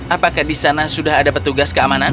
apakah di sana sudah ada petugas keamanan